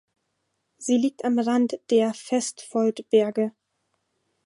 Sie liegt am Rand der Vestfoldberge.